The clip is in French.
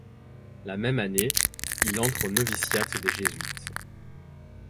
La même année, il entre au noviciat des jésuites.